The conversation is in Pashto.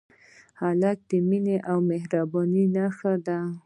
هلک د مینې او مهربانۍ نښه ده.